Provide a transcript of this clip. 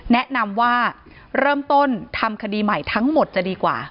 แนะนำว่าเริ่มต้นทำคดีใหม่ทั้งหมดจะดีกว่า